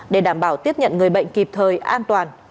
để đảm bảo tiếp nhận người bệnh kịp thời an toàn